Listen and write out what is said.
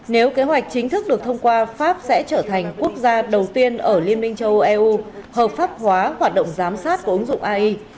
nếu kế hoạch chính thức được thông qua pháp sẽ trở thành quốc gia đầu tiên ở liên minh châu âu eu hợp pháp hóa hoạt động giám sát của ứng dụng ai